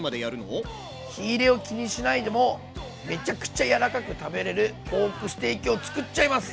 火入れを気にしないでもめちゃくちゃ柔らかく食べれるポークステーキをつくっちゃいます！